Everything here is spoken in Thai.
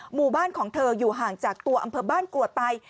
หมู่บ้านของเธออยู่ห่างจากตัวอำเภอบ้านกรวดไป